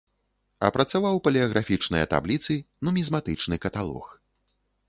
Апрацаваў палеаграфічныя табліцы, нумізматычны каталог.